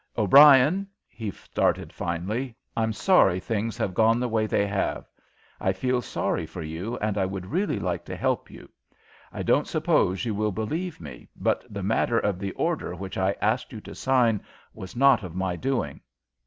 "O'Brien," he started, finally, "I'm sorry things have gone the way they have. I feel sorry for you and I would really like to help you. I don't suppose you will believe me, but the matter of the order which I asked you to sign was not of my doing.